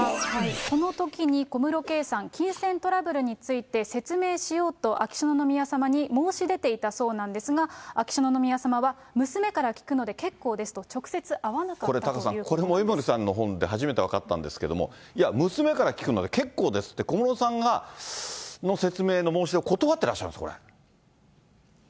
このときに小室圭さん、金銭トラブルについて説明しようと秋篠宮さまに申し出ていたそうなんですが、秋篠宮さまは娘から聞くので結構ですと、直接会わなかったというこれタカさん、これも江森さんの本で初めて分かったんですけれども、いや、娘から聞くので結構ですって、小室さんの説明の申し出を断ってらっしゃるんです、これ。